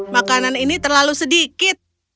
makanan ini terlalu sedikit